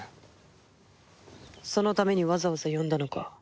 そのためにわざわざ呼んだのか？